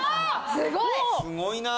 すごいなぁ。